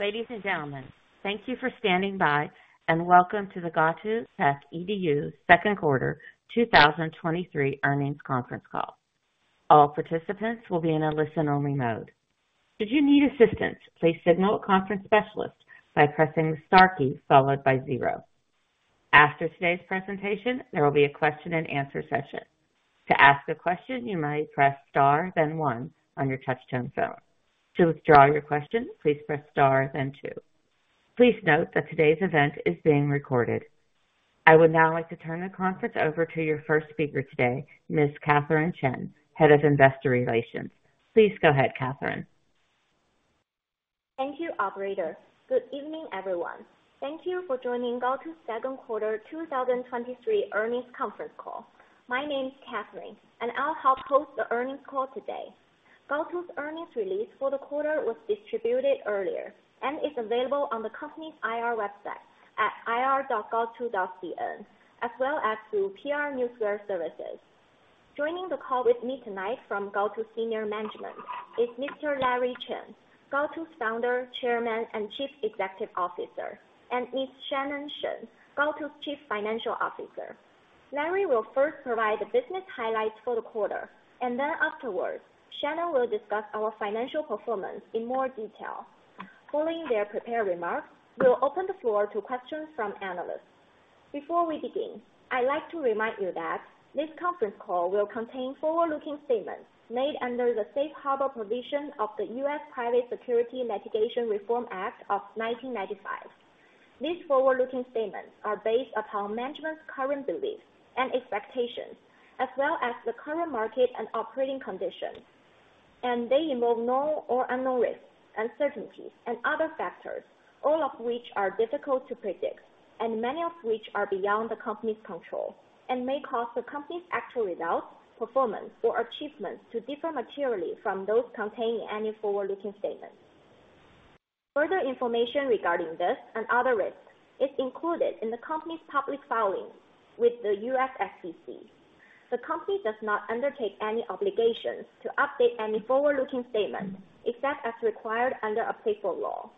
Ladies and gentlemen, thank you for standing by, and welcome to the Gaotu Techedu second quarter 2023 earnings conference call. All participants will be in a listen-only mode. Should you need assistance, please signal a conference specialist by pressing star key followed by zero. After today's presentation, there will be a question and answer session. To ask a question, you may press star, then one on your touchtone phone. To withdraw your question, please press star, then two. Please note that today's event is being recorded. I would now like to turn the conference over to your first speaker today, Ms. Catherine Chen, Head of Investor Relations. Please go ahead, Catherine. Thank you, operator. Good evening, everyone. Thank you for joining Gaotu's second quarter 2023 earnings conference call. My name is Catherine, and I'll help host the earnings call today. Gaotu's earnings release for the quarter was distributed earlier and is available on the company's IR website at ir.gaotu.cn, as well as through PR Newswire services. Joining the call with me tonight from Gaotu senior management is Mr. Larry Chen, Gaotu's Founder, Chairman, and Chief Executive Officer, and Ms. Shannon Shen, Gaotu's Chief Financial Officer. Larry will first provide the business highlights for the quarter, and then afterwards, Shannon will discuss our financial performance in more detail. Following their prepared remarks, we'll open the floor to questions from analysts. Before we begin, I'd like to remind you that this conference call will contain forward-looking statements made under the safe harbor provision of the U.S. Private Securities Litigation Reform Act of 1995. These forward-looking statements are based upon management's current beliefs and expectations, as well as the current market and operating conditions. They involve known or unknown risks, uncertainties, and other factors, all of which are difficult to predict, and many of which are beyond the company's control, and may cause the company's actual results, performance, or achievements to differ materially from those contained in any forward-looking statements. Further information regarding this and other risks is included in the company's public filings with the U.S. SEC. The company does not undertake any obligations to update any forward-looking statements, except as required under applicable law.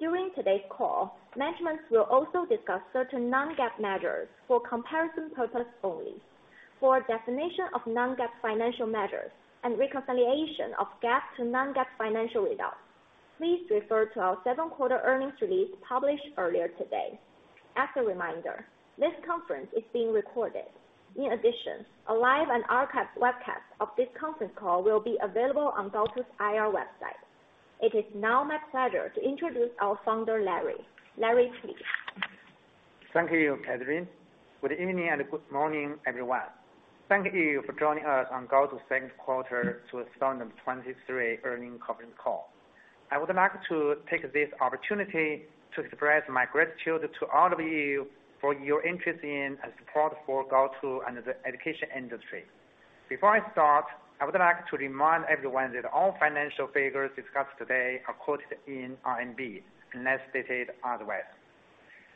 During today's call, management will also discuss certain non-GAAP measures for comparison purposes only. For a definition of non-GAAP financial measures and reconciliation of GAAP to non-GAAP financial results, please refer to our second quarter earnings release published earlier today. As a reminder, this conference is being recorded. In addition, a live and archived webcast of this conference call will be available on Gaotu's IR website. It is now my pleasure to introduce our founder, Larry. Larry, please. Thank you, Catherine. Good evening and good morning, everyone. Thank you for joining us on Gaotu second quarter 2023 earnings conference call. I would like to take this opportunity to express my gratitude to all of you for your interest in and support for Gaotu and the education industry. Before I start, I would like to remind everyone that all financial figures discussed today are quoted in RMB, unless stated otherwise.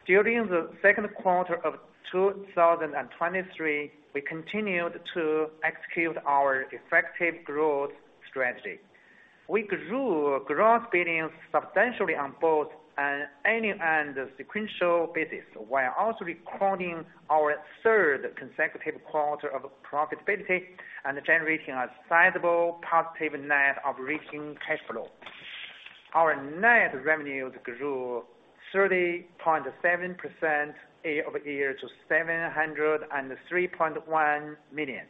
During the second quarter of 2023, we continued to execute our effective growth strategy. We grew gross billings substantially on both an annual and sequential basis, while also recording our third consecutive quarter of profitability and generating a sizable positive net operating cash flow. Our net revenues grew 30.7% year-over-year to 703.1 million,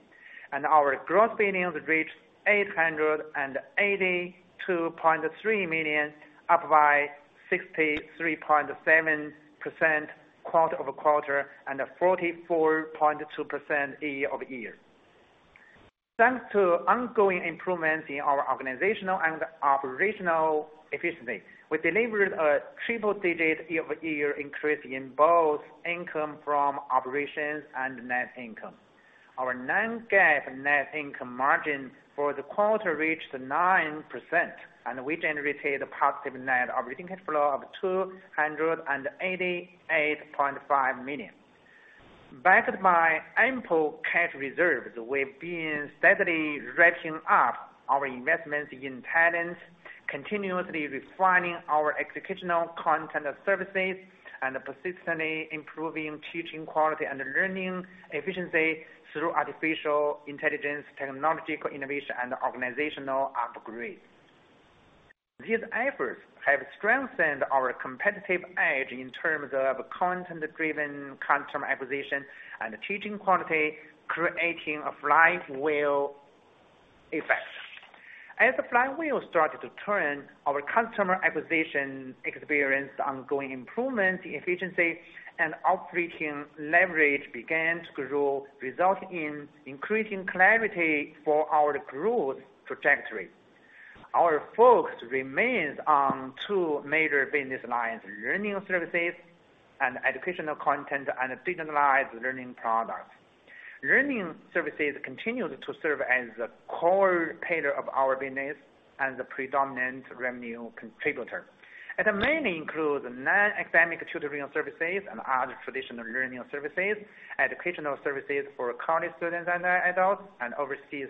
and our gross billings reached 882.3 million, up by 63.7% quarter-over-quarter and 44.2% year-over-year. Thanks to ongoing improvements in our organizational and operational efficiency, we delivered a triple-digit year-over-year increase in both income from operations and net income. Our non-GAAP net income margin for the quarter reached 9%, and we generated a positive net operating cash flow of 288.5 million. Backed by ample cash reserves, we've been steadily ramping up our investments in talent, continuously refining our educational content services, and persistently improving teaching quality and learning efficiency through artificial intelligence, technological innovation, and organizational upgrade. These efforts have strengthened our competitive edge in terms of content-driven customer acquisition and teaching quality, creating a flywheel effect. As the flywheel started to turn, our customer acquisition experienced ongoing improvements in efficiency and operating leverage began to grow, resulting in increasing clarity for our growth trajectory. Our focus remains on two major business lines: learning services and educational content and digitalized learning products. Learning services continued to serve as the core pillar of our business and the predominant revenue contributor. It mainly includes non-academic tutoring services and other traditional learning services, educational services for college students and adults, and overseas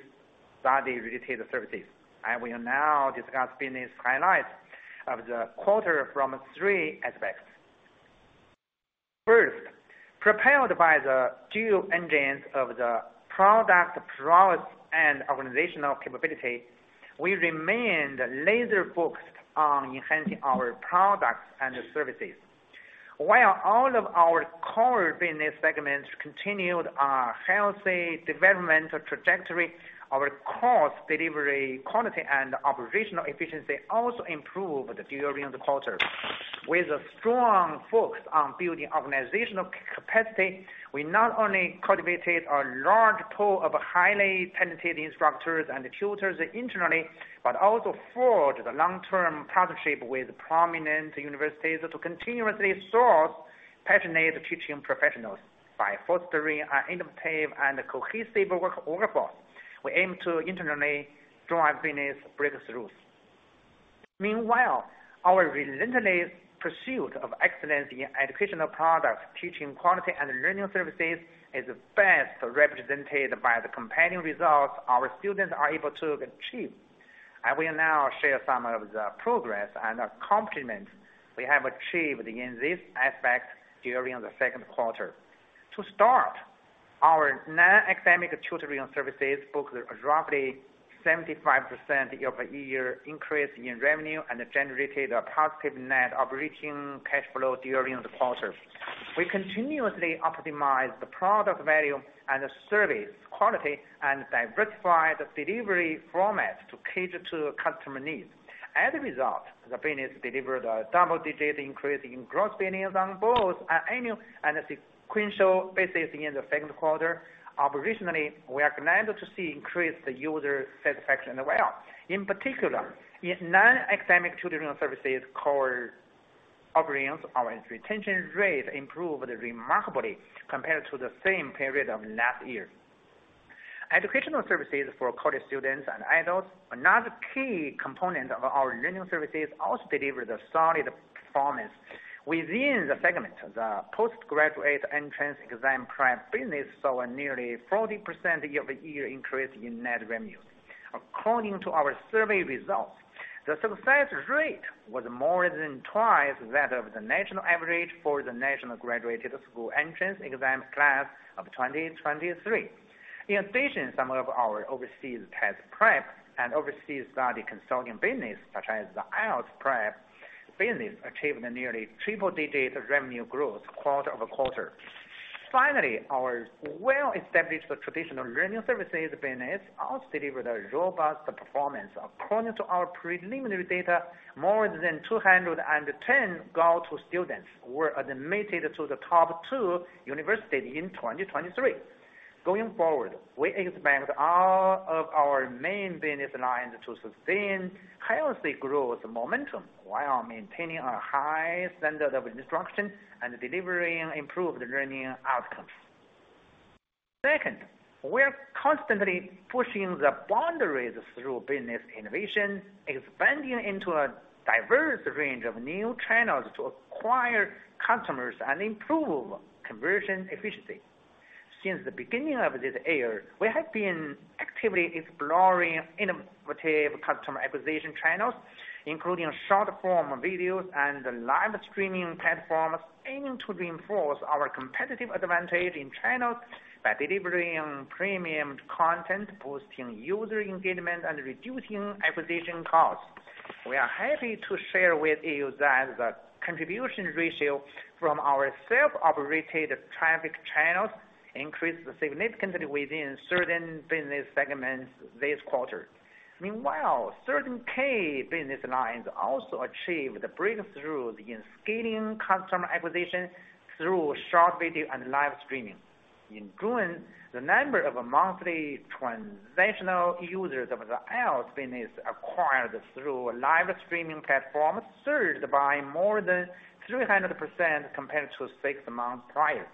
study-related services. I will now discuss business highlights of the quarter from three aspects. First, propelled by the dual engines of the product prowess and organizational capability, we remain laser focused on enhancing our products and services. While all of our core business segments continued our healthy developmental trajectory, our cost delivery, quality, and operational efficiency also improved during the quarter. With a strong focus on building organizational capacity, we not only cultivated a large pool of highly talented instructors and tutors internally, but also forged a long-term partnership with prominent universities to continuously source passionate teaching professionals. By fostering an innovative and cohesive workforce, we aim to internally drive business breakthroughs. Meanwhile, our relentless pursuit of excellence in educational products, teaching quality, and learning services is best represented by the compelling results our students are able to achieve. I will now share some of the progress and accomplishments we have achieved in this aspect during the second quarter. To start, our non-academic tutoring services booked roughly 75% year-over-year increase in revenue and generated a positive net operating cash flow during the quarter. We continuously optimize the product value and the service quality, and diversify the delivery format to cater to customer needs. As a result, the business delivered a double-digit increase in gross business on both annual and sequential basis in the second quarter. Operationally, we are glad to see increased user satisfaction as well. In particular, in non-academic tutoring services core offerings, our retention rate improved remarkably compared to the same period of last year. Educational services for college students and adults, another key component of our learning services, also delivered a solid performance. Within the segment, the postgraduate entrance exam prep business saw a nearly 40% year-over-year increase in net revenue. According to our survey results, the success rate was more than twice that of the national average for the national graduate school entrance exam class of 2023. In addition, some of our overseas test prep and overseas study consulting business, such as the IELTS prep business, achieved a nearly triple-digit revenue growth quarter-over-quarter. Finally, our well-established traditional learning services business also delivered a robust performance. According to our preliminary data, more than 210 Gaotu's students were admitted to the top two universities in 2023. Going forward, we expect all of our main business lines to sustain healthy growth momentum while maintaining a high standard of instruction and delivering improved learning outcomes. Second, we are constantly pushing the boundaries through business innovation, expanding into a diverse range of new channels to acquire customers and improve conversion efficiency. Since the beginning of this year, we have been actively exploring innovative customer acquisition channels, including short-form videos and live streaming platforms, aiming to reinforce our competitive advantage in China by delivering premium content, boosting user engagement, and reducing acquisition costs. We are happy to share with you that the contribution ratio from our self-operated traffic channels increased significantly within certain business segments this quarter. Meanwhile, certain key business lines also achieved the breakthroughs in scaling customer acquisition through short video and live streaming. In June, the number of monthly transactional users of the IELTS business acquired through live streaming platforms surged by more than 300% compared to six months prior.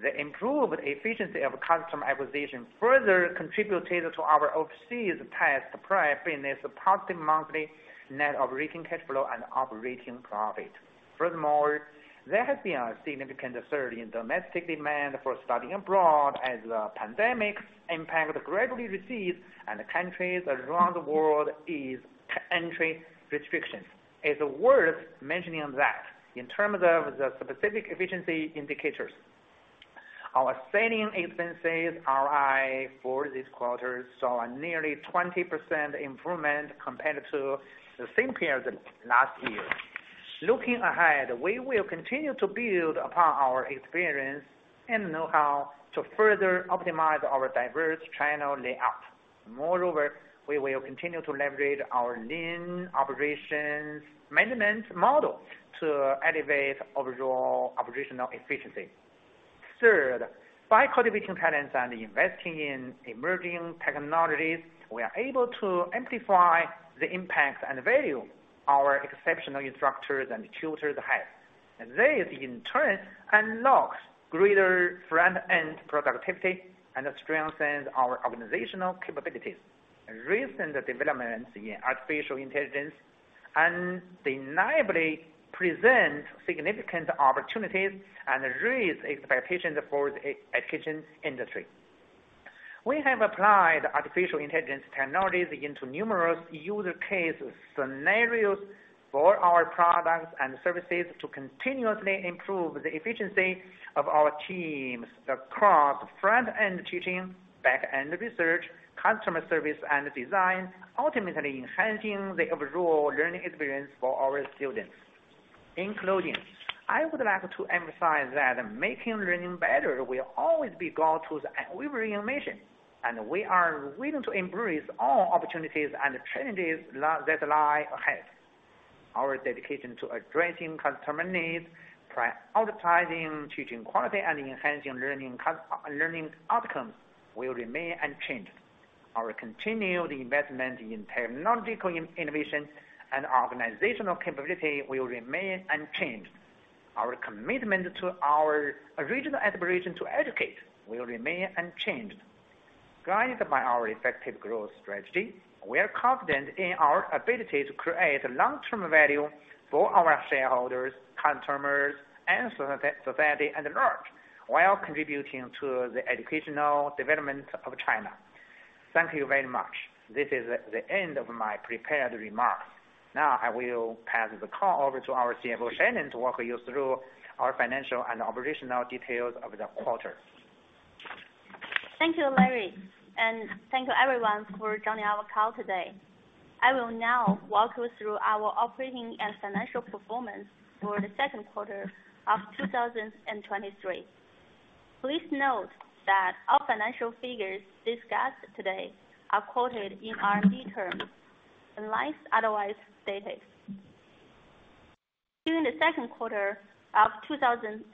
The improved efficiency of customer acquisition further contributed to our overseas test prep business, positive monthly net operating cash flow and operating profit. Furthermore, there has been a significant surge in domestic demand for studying abroad, as the pandemic impact gradually recedes and countries around the world ease entry restrictions. It's worth mentioning that in terms of the specific efficiency indicators, our selling expenses ROI for this quarter saw a nearly 20% improvement compared to the same period last year. Looking ahead, we will continue to build upon our experience and know-how to further optimize our diverse channel layout. Moreover, we will continue to leverage our lean operations management model to elevate overall operational efficiency. Third, by cultivating talents and investing in emerging technologies, we are able to amplify the impact and value our exceptional instructors and tutors have. And this, in turn, unlocks greater front-end productivity and strengthens our organizational capabilities. Recent developments in artificial intelligence... undeniably present significant opportunities and raise expectations for the education industry. We have applied artificial intelligence technologies into numerous user case scenarios for our products and services to continuously improve the efficiency of our teams across front-end teaching, back-end research, customer service, and design, ultimately enhancing the overall learning experience for our students. In closing, I would like to emphasize that making learning better will always be Gaotu's unwavering mission, and we are willing to embrace all opportunities and challenges that lie ahead. Our dedication to addressing customer needs, prioritizing teaching quality, and enhancing learning outcomes will remain unchanged. Our continued investment in technological innovation and organizational capability will remain unchanged. Our commitment to our original aspiration to educate will remain unchanged. Guided by our effective growth strategy, we are confident in our ability to create long-term value for our shareholders, customers, and society at large, while contributing to the educational development of China. Thank you very much. This is the end of my prepared remarks. Now, I will pass the call over to our CFO, Shannon, to walk you through our financial and operational details of the quarter. Thank you, Larry, and thank you everyone for joining our call today. I will now walk you through our operating and financial performance for the second quarter of 2023. Please note that our financial figures discussed today are quoted in RMB terms, unless otherwise stated. During the second quarter of 2023,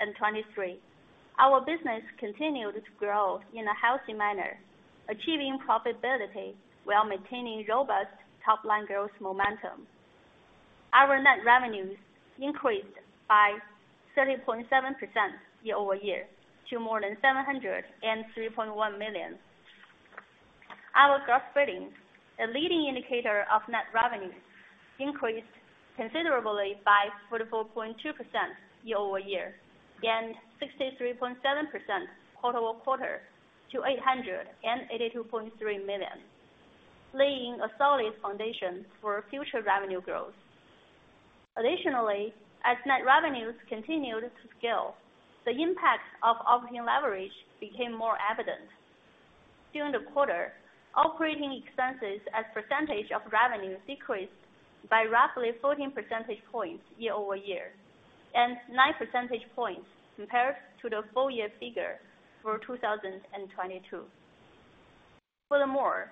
our business continued to grow in a healthy manner, achieving profitability while maintaining robust top-line growth momentum. Our net revenues increased by 30.7% year-over-year to more than 703.1 million. Our gross billings, a leading indicator of net revenues, increased considerably by 44.2% year-over-year and 63.7% quarter-over-quarter to 882.3 million, laying a solid foundation for future revenue growth. Additionally, as net revenues continued to scale, the impact of operating leverage became more evident. During the quarter, operating expenses as percentage of revenue decreased by roughly 14 percentage points year-over-year, and 9 percentage points compared to the full-year figure for 2022. Furthermore,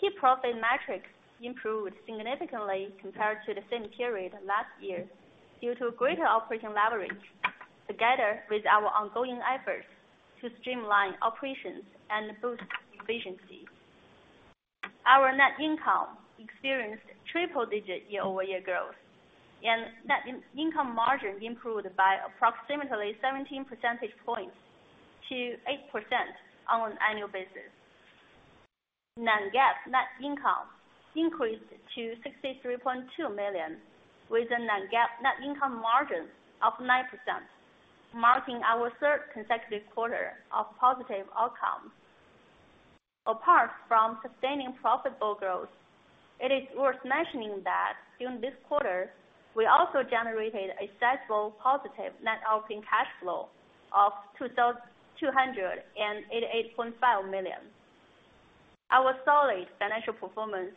key profit metrics improved significantly compared to the same period last year due to greater operating leverage, together with our ongoing efforts to streamline operations and boost efficiency. Our net income experienced triple digit year-over-year growth, and net income margin improved by approximately 17 percentage points to 8% on an annual basis. Non-GAAP net income increased to 63.2 million, with a non-GAAP net income margin of 9%, marking our third consecutive quarter of positive outcome. Apart from sustaining profitable growth, it is worth mentioning that during this quarter, we also generated a sizable positive net operating cash flow of 288.5 million. Our solid financial performance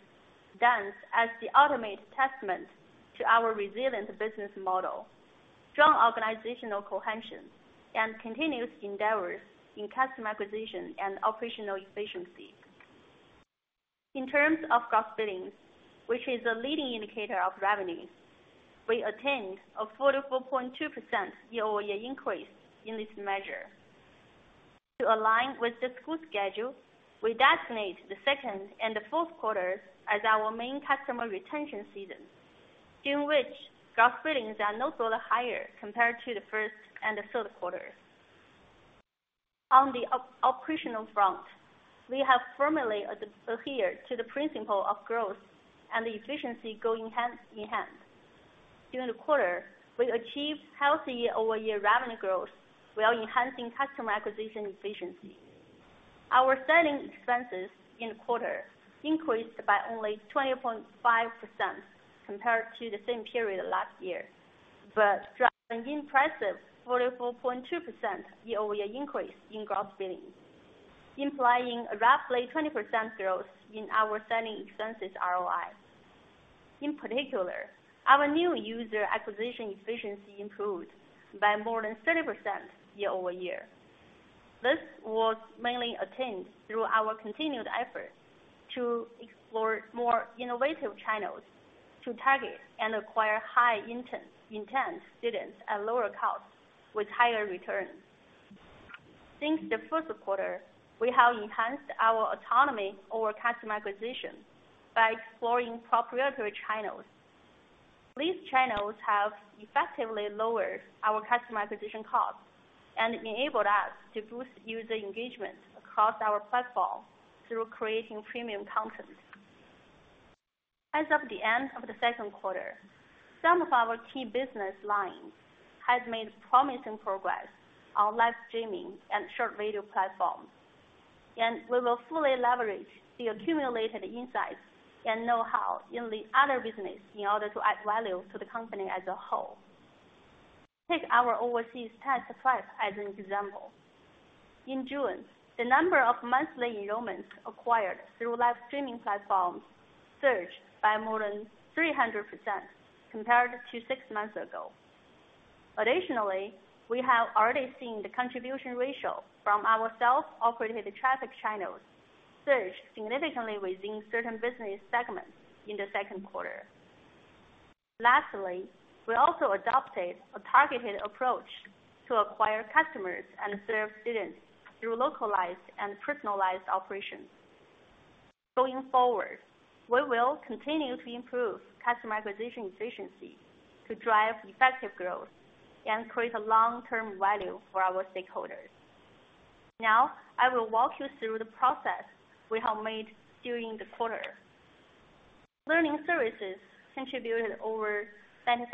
stands as the ultimate testament to our resilient business model, strong organizational cohesion, and continuous endeavors in customer acquisition and operational efficiency. In terms of gross billings, which is a leading indicator of revenue, we attained a 44.2% year-over-year increase in this measure. To align with the school schedule, we designate the second and the fourth quarters as our main customer retention season, during which gross billings are notably higher compared to the first and the third quarters. On the operational front, we have firmly adhered to the principle of growth and efficiency going hand in hand. During the quarter, we achieved healthy year-over-year revenue growth while enhancing customer acquisition efficiency. Our selling expenses in the quarter increased by only 20.5% compared to the same period last year, but driving impressive 44.2% year-over-year increase in gross billings, implying a roughly 20% growth in our selling expenses ROI. In particular, our new user acquisition efficiency improved by more than 30% year-over-year. This was mainly attained through our continued effort to explore more innovative channels to target and acquire high intent, intent students at lower cost with higher return. Since the first quarter, we have enhanced our autonomy over customer acquisition by exploring proprietary channels. These channels have effectively lowered our customer acquisition costs and enabled us to boost user engagement across our platform through creating premium content. As of the end of the second quarter, some of our key business lines has made promising progress on live streaming and short video platforms, and we will fully leverage the accumulated insights and know-how in the other business in order to add value to the company as a whole. Take our overseas test prep business as an example. In June, the number of monthly enrollments acquired through live streaming platforms surged by more than 300% compared to 6 months ago. Additionally, we have already seen the contribution ratio from our self-operated traffic channels surge significantly within certain business segments in the second quarter. Lastly, we also adopted a targeted approach to acquire customers and serve students through localized and personalized operations. Going forward, we will continue to improve customer acquisition efficiency to drive effective growth and create a long-term value for our stakeholders. Now, I will walk you through the process we have made during the quarter. Learning services contributed over 75%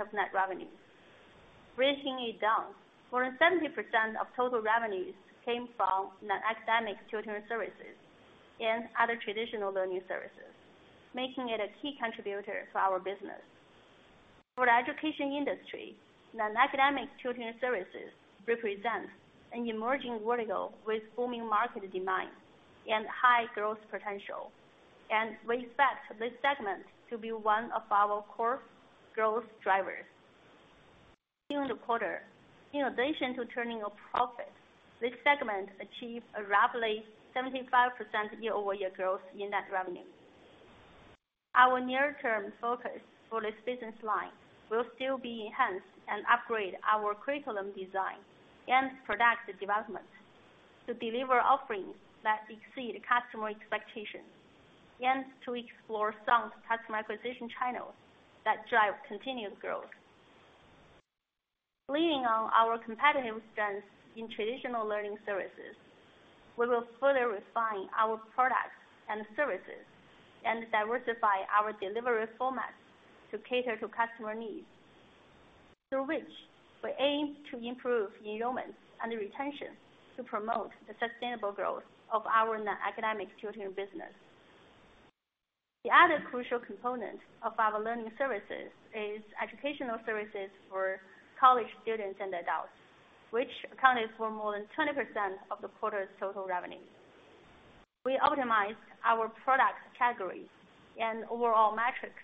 of net revenue. Breaking it down, more than 70% of total revenues came from non-academic tutoring services and other traditional learning services, making it a key contributor to our business. For the education industry, non-academic tutoring services represents an emerging vertical with booming market demand and high growth potential, and we expect this segment to be one of our core growth drivers. During the quarter, in addition to turning a profit, this segment achieved a roughly 75% year-over-year growth in net revenue. Our near-term focus for this business line will still be enhanced and upgrade our curriculum design and product development to deliver offerings that exceed customer expectations, and to explore sound customer acquisition channels that drive continuous growth. Leading on our competitive strengths in traditional learning services, we will further refine our products and services, and diversify our delivery formats to cater to customer needs, through which we aim to improve enrollments and retention to promote the sustainable growth of our non-academic tutoring business. The other crucial component of our learning services is educational services for college students and adults, which accounted for more than 20% of the quarter's total revenue. We optimized our product categories and overall metrics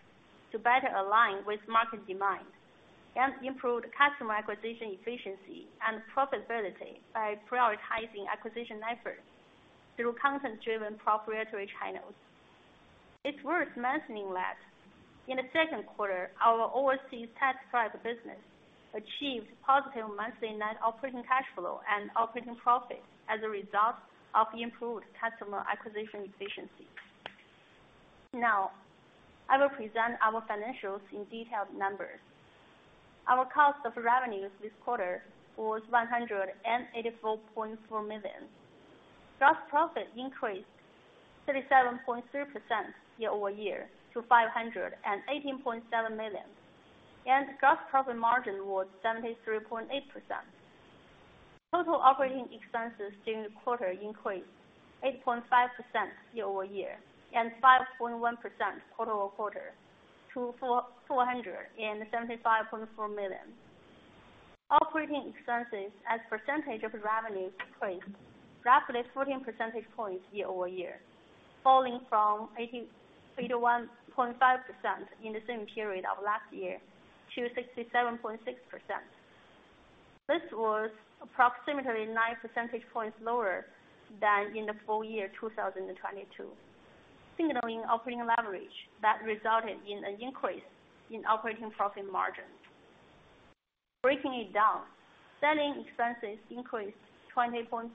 to better align with market demand, and improved customer acquisition, efficiency, and profitability by prioritizing acquisition efforts through content-driven proprietary channels. It's worth mentioning that in the second quarter, our overseas test prep business achieved positive monthly net operating cash flow and operating profit as a result of improved customer acquisition efficiency. Now, I will present our financials in detailed numbers. Our cost of revenues this quarter was 184.4 million. Gross profit increased 37.3% year-over-year to 518.7 million, and gross profit margin was 73.8%. Total operating expenses during the quarter increased 8.5% year-over-year, and 5.1% quarter-over-quarter to 447.5 million. Operating expenses as percentage of revenue decreased roughly 14 percentage points year-over-year, falling from 83.5% in the same period of last year to 67.6%. This was approximately 9 percentage points lower than in the full year 2022, signaling operating leverage that resulted in an increase in operating profit margin. Breaking it down, selling expenses increased 20.5%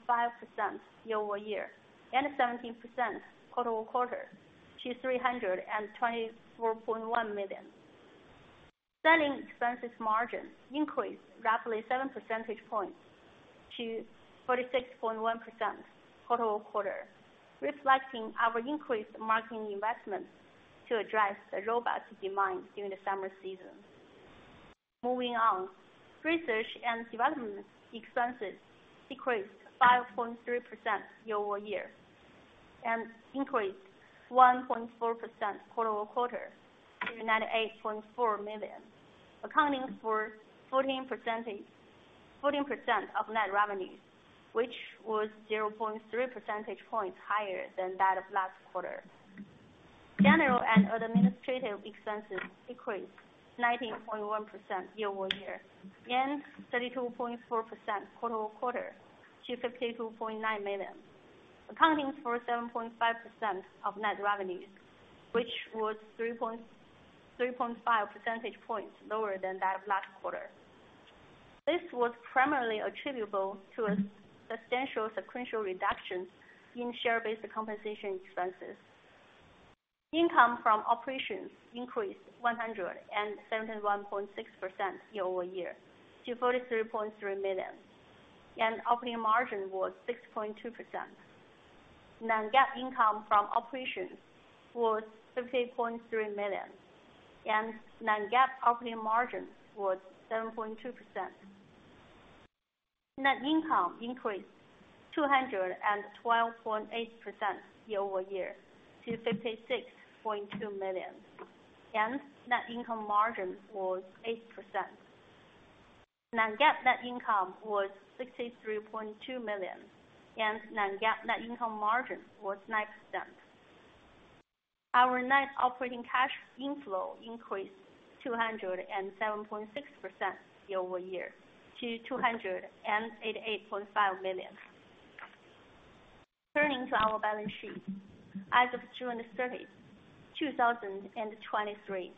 year-over-year, and 17% quarter-over-quarter, to RMB 324.1 million. Selling expenses margin increased roughly 7 percentage points to 46.1% quarter-over-quarter, reflecting our increased marketing investments to address the robust demand during the summer season. Moving on, research and development expenses decreased 5.3% year-over-year, and increased 1.4% quarter-over-quarter to RMB 98.4 million, accounting for 14% of net revenues, which was 0.3 percentage points higher than that of last quarter. General and administrative expenses decreased 19.1% year-over-year, and 32.4% quarter-over-quarter to 52.9 million, accounting for 7.5% of net revenues, which was 3.5 percentage points lower than that of last quarter. This was primarily attributable to a substantial sequential reduction in share-based compensation expenses.... Income from operations increased 171.6% year-over-year to 43.3 million, and operating margin was 6.2%. Non-GAAP income from operations was 38.3 million, and non-GAAP operating margin was 7.2%. Net income increased 212.8% year-over-year to 56.2 million, and net income margin was 8%. Non-GAAP net income was 63.2 million, and non-GAAP net income margin was 9%. Our net operating cash inflow increased 207.6% year-over-year to 288.5 million. Turning to our balance sheet. As of June 30, 2023,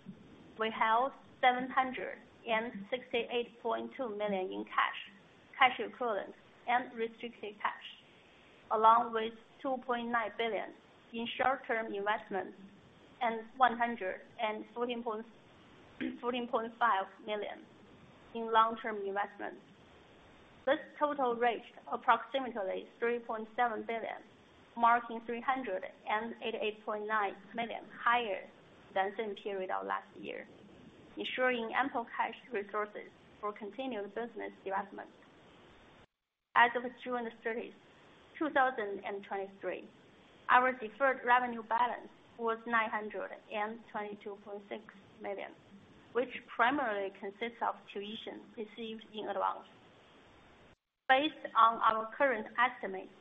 we held 768.2 million in cash, cash equivalents and restricted cash, along with 2.9 billion in short-term investments and 114.5 million in long-term investments. This total reached approximately 3.7 billion, marking 388.9 million higher than same period of last year, ensuring ample cash resources for continued business investment. As of June 30, 2023, our deferred revenue balance was 922.6 million, which primarily consists of tuition received in advance. Based on our current estimates,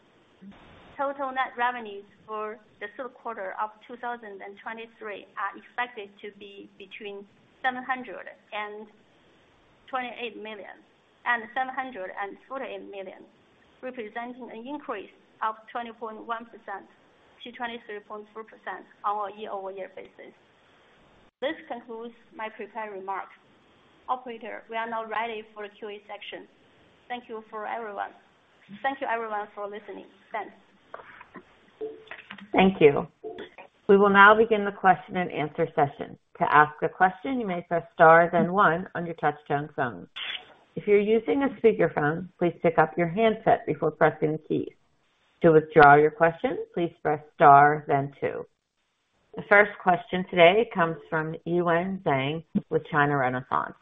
total net revenues for the third quarter of 2023 are expected to be between 728 million and 748 million, representing an increase of 20.1%-23.4% on a year-over-year basis. This concludes my prepared remarks. Operator, we are now ready for the QA section. Thank you for everyone. Thank you everyone for listening. Thanks. Thank you. We will now begin the question and answer session. To ask a question, you may press star then one on your touchtone phone. If you're using a speakerphone, please pick up your handset before pressing the keys. To withdraw your question, please press star then two. The first question today comes from Yiwen Zhang with China Renaissance.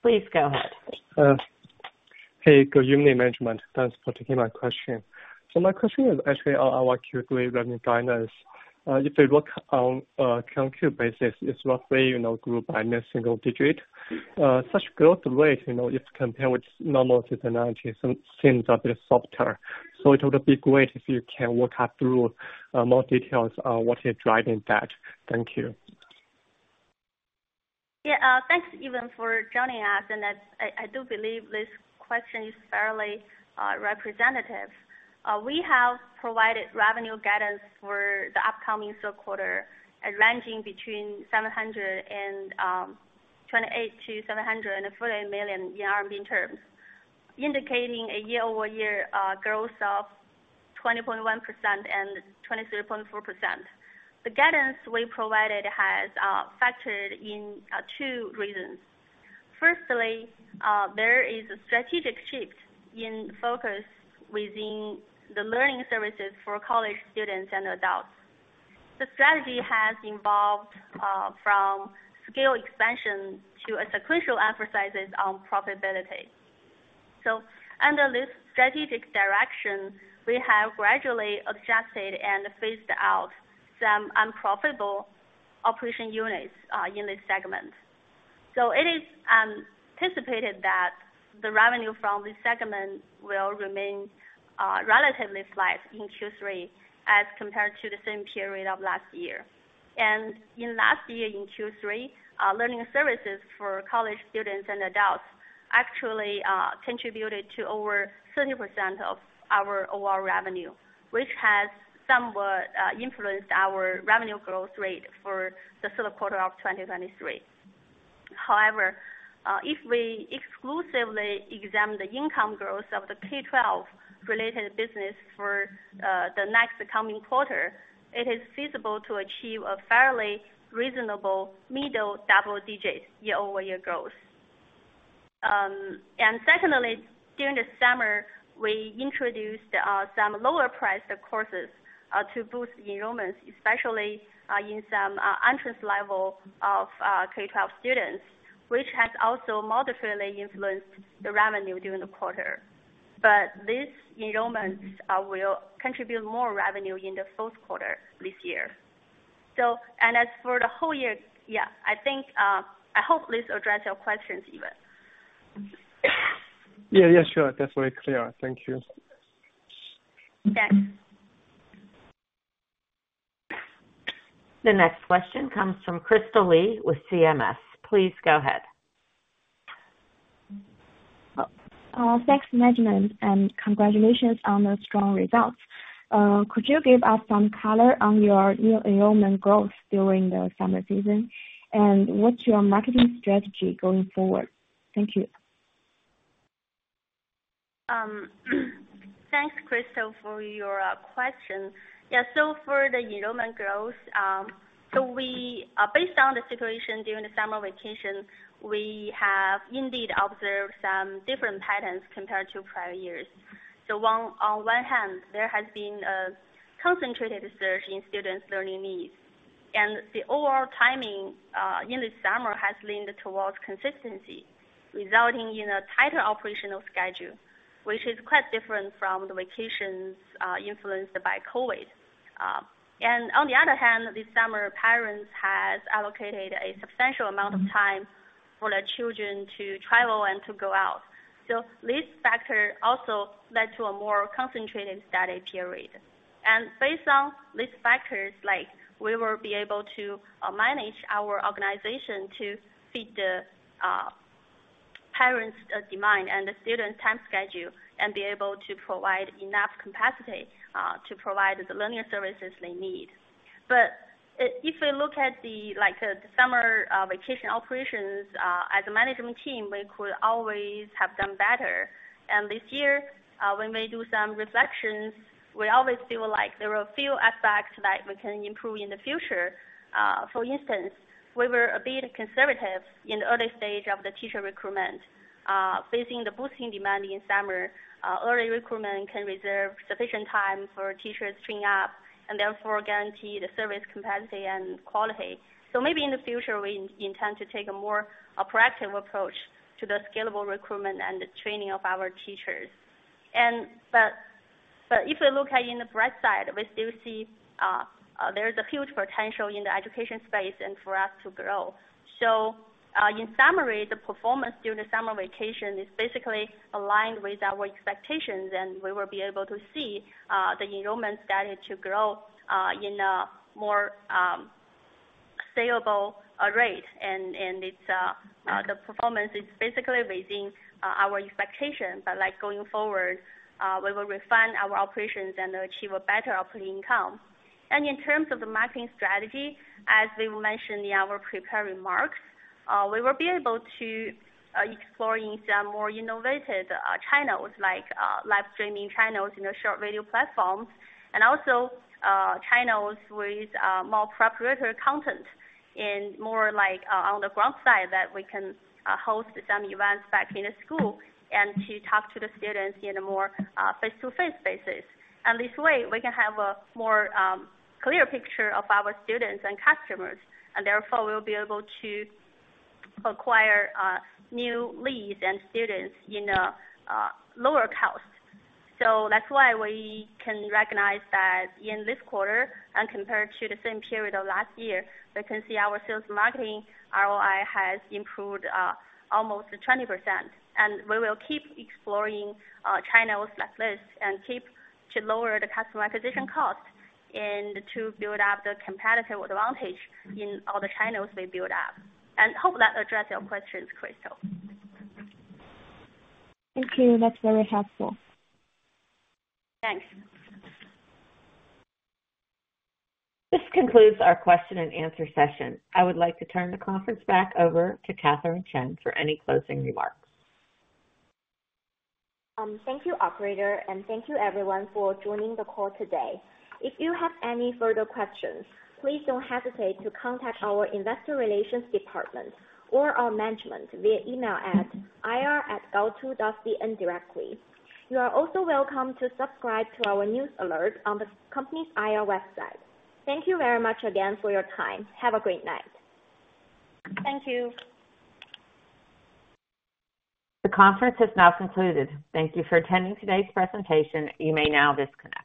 Please go ahead. Hey, good evening, management. Thanks for taking my question. So my question is actually on our Q3 revenue guidance. If you look on a current Q basis, it's roughly, you know, grew by a single digit. Such growth rate, you know, if compared with normal seasonality, it seems a bit softer. So it would be great if you can walk us through more details on what is driving that. Thank you. Yeah, thanks, Yiwen, for joining us, and that's. I do believe this question is fairly representative. We have provided revenue guidance for the upcoming third quarter, ranging between 728 million-748 million RMB in RMB terms, indicating a year-over-year growth of 20.1% and 23.4%. The guidance we provided has factored in two reasons. Firstly, there is a strategic shift in focus within the learning services for college students and adults. The strategy has involved from scale expansion to a successive emphasis on profitability. So under this strategic direction, we have gradually adjusted and phased out some unprofitable operating units in this segment. So it is anticipated that the revenue from this segment will remain relatively flat in Q3 as compared to the same period of last year. In last year, in Q3, learning services for college students and adults actually contributed to over 30% of our overall revenue, which has somewhat influenced our revenue growth rate for the third quarter of 2023. However, if we exclusively examine the income growth of the K-12 related business for the next coming quarter, it is feasible to achieve a fairly reasonable middle double digits year-over-year growth. And secondly, during the summer, we introduced some lower priced courses to boost enrollments, especially in some entrance level of K-12 students, which has also moderately influenced the revenue during the quarter. But these enrollments will contribute more revenue in the fourth quarter this year. So and as for the whole year, yeah, I think I hope this addressed your questions, Yiwen. Yeah. Yeah, sure. That's very clear. Thank you. Thanks. The next question comes from Crystal Li with CMS. Please go ahead. Thanks, management, and congratulations on the strong results. Could you give us some color on your new enrollment growth during the summer season? And what's your marketing strategy going forward? Thank you. Thanks, Crystal, for your question. Yeah, so for the enrollment growth, so we based on the situation during the summer vacation, we have indeed observed some different patterns compared to prior years. So, on one hand, there has been a concentrated surge in students' learning needs, and the overall timing in the summer has leaned towards consistency, resulting in a tighter operational schedule, which is quite different from the vacations influenced by COVID. And on the other hand, this summer, parents has allocated a substantial amount of time for their children to travel and to go out. So this factor also led to a more concentrated study period. Based on these factors, like, we will be able to manage our organization to fit the parents' demand and the students' time schedule, and be able to provide enough capacity to provide the learning services they need. But, if we look at the, like, the summer vacation operations, as a management team, we could always have done better. This year, when we do some reflections, we always feel like there are a few aspects that we can improve in the future. For instance, we were a bit conservative in the early stage of the teacher recruitment. Facing the boosting demand in summer, early recruitment can reserve sufficient time for teachers to train up, and therefore guarantee the service capacity and quality. So maybe in the future, we intend to take a more proactive approach to the scalable recruitment and the training of our teachers. But if we look at in the bright side, we still see there is a huge potential in the education space and for us to grow. So, in summary, the performance during the summer vacation is basically aligned with our expectations, and we will be able to see the enrollment started to grow in a more stable rate. And it's the performance is basically within our expectations. But like, going forward, we will refine our operations and achieve a better operating income. In terms of the marketing strategy, as we mentioned in our prepared remarks, we will be able to exploring some more innovative channels, like live streaming channels in the short video platforms, and also channels with more proprietary content in more like on the ground side, that we can host some events back in the school, and to talk to the students in a more face-to-face basis. This way, we can have a more clear picture of our students and customers, and therefore we'll be able to acquire new leads and students in a lower cost. That's why we can recognize that in this quarter, and compared to the same period of last year, we can see our sales and marketing ROI has improved almost 20%. We will keep exploring channels like this, and keep to lower the customer acquisition cost, and to build up the competitive advantage in all the channels we build up. And hope that address your questions, Crystal. Thank you. That's very helpful. Thanks. This concludes our question and answer session. I would like to turn the conference back over to Catherine Chen for any closing remarks. Thank you, operator, and thank you everyone for joining the call today. If you have any further questions, please don't hesitate to contact our investor relations department or our management via email at ir@gaotu.cn directly. You are also welcome to subscribe to our news alert on the company's IR website. Thank you very much again for your time. Have a great night. Thank you. The conference has now concluded. Thank you for attending today's presentation. You may now disconnect.